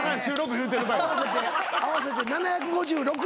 合わせて７５６円です。